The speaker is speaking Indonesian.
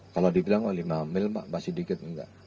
kalau dibilang lima mil pak masih sedikit